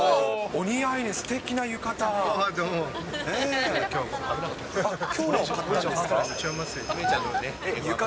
お似合い、すてきな浴衣。